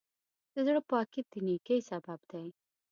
د زړۀ پاکي د نیکۍ سبب دی.